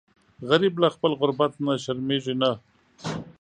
غریب له خپل غربت نه شرمیږي نه